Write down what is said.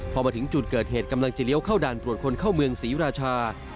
พอมาถึงจุดเกิดเหตุกำลังจะเลี้ยวเข้าด่านตรวจคนเข้าเมืองศรีราชา